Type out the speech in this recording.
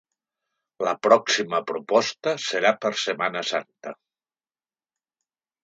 La pròxima proposta serà per Setmana Santa.